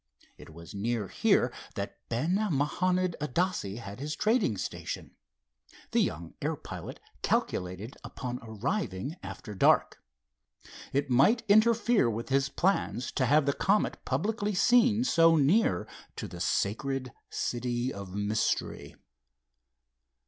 It was near here that Ben Mahanond Adasse had his trading station. The young air pilot calculated upon arriving after dark. It might interfere with his plans to have the Comet publicly seen so near to the sacred city of mystery.